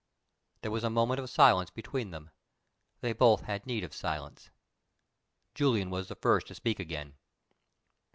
There was a moment of silence between them. They both had need of silence. Julian was the first to speak again.